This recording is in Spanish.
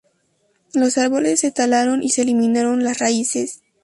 Los árboles se talaron y se eliminaron las raíces.